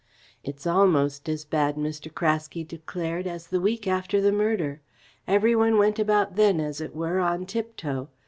"It's almost as bad," Mr. Craske declared, "as the week after the murder. Every one went about then, as it were, on tiptoe.